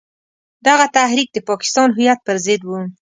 دغه تحریک د پاکستان هویت پر ضد وو.